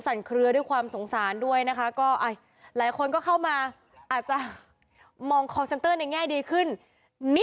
สงสารคนอื่นอยู่